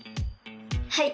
はい！